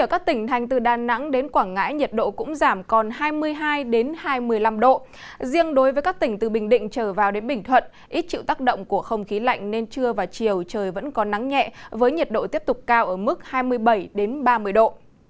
riêng đối với các tỉnh từ bình định trở vào đến bình thuận ít chịu tác động của không khí lạnh nên trưa và chiều trời vẫn có nắng nhẹ với nhiệt độ tiếp tục cao ở mức hai mươi bảy ba mươi độ